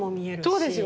そうですよね。